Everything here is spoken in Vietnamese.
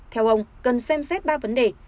theo ông cần xem xét ba vấn đề